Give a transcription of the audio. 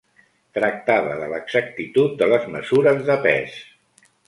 Tractava de l'exactitud de les mesures de pes.